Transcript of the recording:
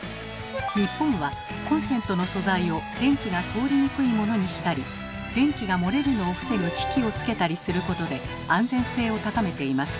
日本はコンセントの素材を電気が通りにくいものにしたり電気が漏れるのを防ぐ機器をつけたりすることで安全性を高めています。